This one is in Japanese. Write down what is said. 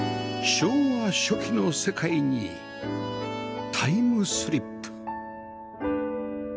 昭和初期の世界にタイムスリップ